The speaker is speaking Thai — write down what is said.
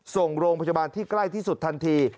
ส่งโรงพยาบาลที่ใกล้ที่สุดทันที